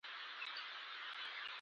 د خلکو په منځ کې د کرکې تر حده رسېدلي.